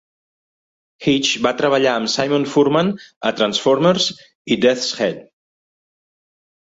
Hitch va treballar amb Simon Furman a "Transformers" i "Death's Head".